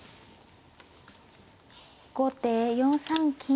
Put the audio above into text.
後手４三金。